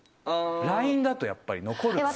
ＬＩＮＥだとやっぱり残るから。